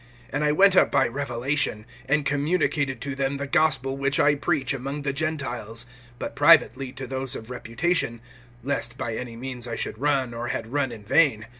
(2)And I went up by revelation, and communicated to them the gospel which I preach among the Gentiles; but privately, to those of reputation, lest by any means I should run, or had run in vain.